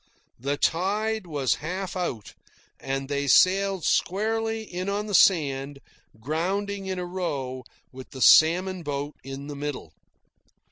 The tide was half out, and they sailed squarely in on the sand, grounding in a row, with the salmon boat in the middle.